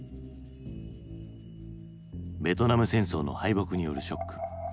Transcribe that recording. ベトナム戦争の敗北によるショック。